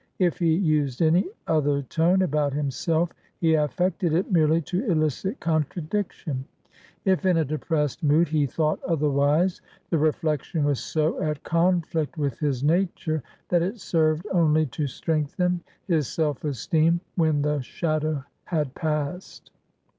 If he used any other tone about himself, he affected it merely to elicit contradiction; if in a depressed mood he thought otherwise, the reflection was so at conflict with his nature that it served only to strengthen his self esteem when the shadow had passed.